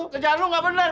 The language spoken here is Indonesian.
kejar lu nggak benar